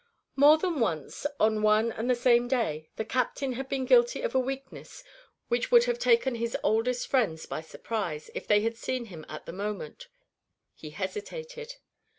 More than once, on one and the same day, the Captain had been guilty of a weakness which would have taken his oldest friends by surprise, if they had seen him at the moment. He hesitated.